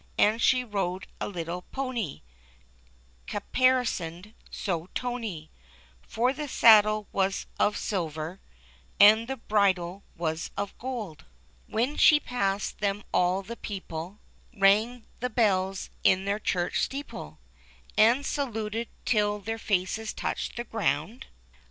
325 And she rode a little pony, Caparisoned so tony, For the saddle was of silver, and the bridle was of gold. 326 THE CHILDREN'S WONDER BOOK. When she passed them all the people Rang the bells in their church steeple, And saluted till their faces touched the ground.